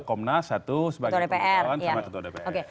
komnas satu sebagai pengetahuan sama ketua dpr